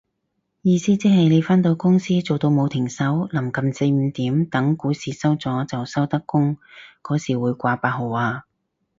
意思即係你返到公司做到冇停手，臨近四五點等股市收咗就收得工嗰時會掛八號啊